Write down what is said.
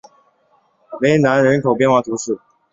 雷南人口变化图示